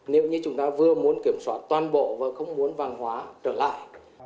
nếu như chúng ta vừa muốn kiểm soát toàn bộ và không muốn vàng hóa trở lại